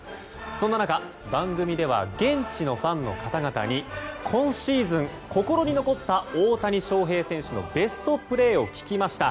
そんな中、番組では現地のファンの方々に今シーズン心に残った大谷翔平選手のベストプレーを聞きました。